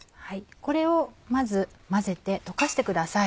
これをまず混ぜて溶かしてください。